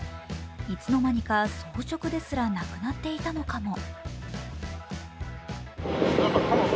いつの間にか草食ですらなくなっていたのかも。